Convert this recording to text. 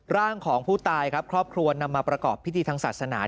ร่างของผู้ตายครับครอบครัวนำมาประกอบพิธีทางศาสนา